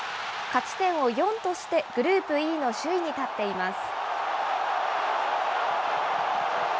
勝ち点を４としてグループＥの首位に立っています。